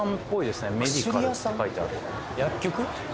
薬局？